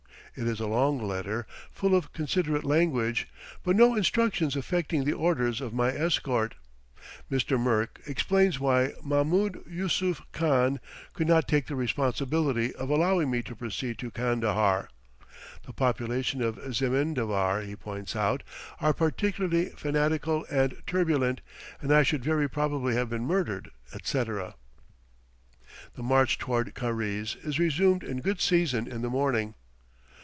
It is a long letter, full of considerate language, but no instructions affecting the orders of my escort. Mr. Merk explains why Mahmoud Yusuph Khan could not take the responsibility of allowing me to proceed to Kandahar. The population of Zemindavar, he points out, are particularly fanatical and turbulent, and I should very probably have been murdered; etc. The march toward Karize is resumed in good season in the morning.